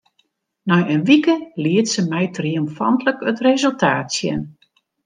Nei in wike liet se my triomfantlik it resultaat sjen.